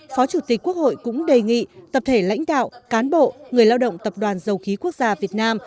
phó chủ tịch quốc hội cũng đề nghị tập thể lãnh đạo cán bộ người lao động tập đoàn dầu khí quốc gia việt nam